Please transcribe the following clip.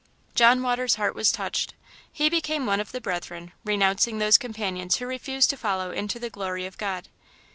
John Waters' heart was touched. He became one of the Brethren, renouncing those companions who refused to follow into the glory of God.